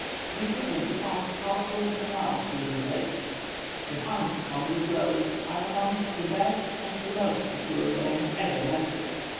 We frequently passed half ruined canals during the day. The chans upon this road are among the best and the most secure that I have ever met with.